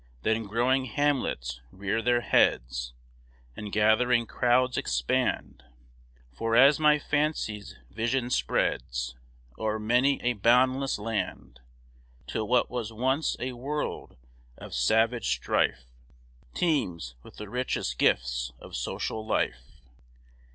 Then growing hamlets rear their heads, And gathering crowds expand, Far as my fancy's vision spreads, O'er many a boundless land, Till what was once a world of savage strife Teems with the richest gifts of social life.